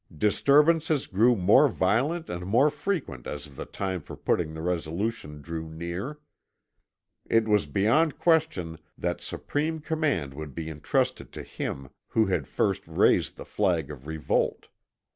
Disturbances grew more violent and more frequent as the time for putting the resolution drew near. It was beyond question that supreme command would be entrusted to him who had first raised the flag of revolt.